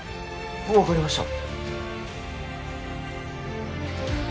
わかりました。